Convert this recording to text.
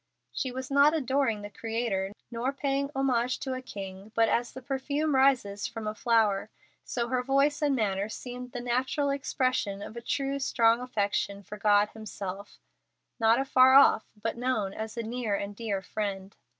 She was not adoring the Creator, nor paying homage to a king; but, as the perfume rises from a flower, so her voice and manner seemed the natural expression of a true, strong affection for God Himself, not afar off, but known as a near and dear friend.